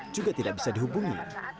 juga tidak bisa dihubungi